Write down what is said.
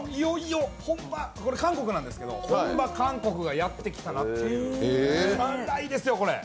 本場、韓国なんですけど本場、韓国がやってきたなと辛いですよ。